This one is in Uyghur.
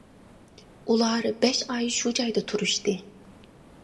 ئۇلار بەش ئاي شۇ جايدا تۇرۇشتى.